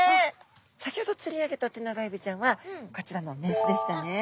先ほど釣り上げたテナガエビちゃんはこちらの雌でしたね。